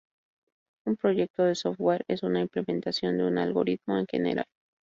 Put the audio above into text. Un proyecto de software es una implementación de un algoritmo en general.